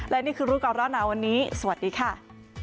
และนี่คือรู้ก่อนร้อนหนาวันนี้สวัสดีค่ะ